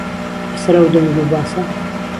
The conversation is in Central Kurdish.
له سهر ئهو دهنگ و باسه